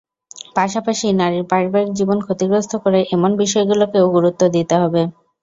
পাশাপাশি নারীর পারিবারিক জীবন ক্ষতিগ্রস্ত করে এমন বিষয়গুলোকেও গুরুত্ব দিতে হবে।